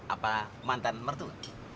apa mantan mertugi